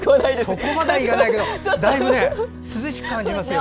そこまでいかないけどだいぶ涼しく感じますよ。